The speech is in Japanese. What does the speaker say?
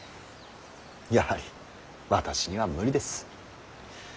やはり私には無理です。